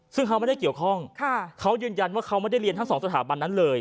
ซึ่งเขาไม่ได้เกี่ยวข้องเขายืนยันว่าเขาไม่ได้เรียนทั้งสองสถาบันนั้นเลย